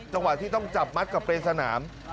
จังหวะที่ต้องจับมัดกับเรนสนาม